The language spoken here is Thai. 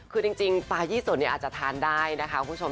คือจริงปลายี่สนอาจจะทานได้นะคะคุณผู้ชม